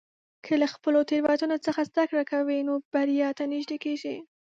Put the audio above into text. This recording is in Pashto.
که له خپلو تېروتنو څخه زده کړه کوې، نو بریا ته نږدې کېږې.